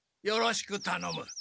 よろしくたのむ。